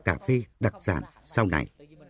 cà phê đặc sản sau này